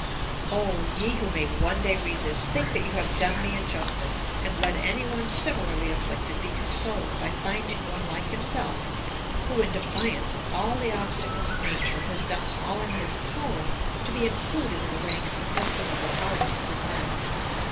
Oh! ye who may one day read this, think that you have done me injustice; and let any one similarly afflicted be consoled by finding one like himself, who, in defiance of all the obstacles of nature, has done all in his power to be included in the ranks of estimable artists and men.